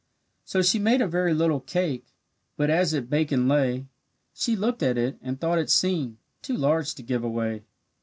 So she made a very little cake, But as it baking lay, She looked at it, and thought it seemed Too large to give away.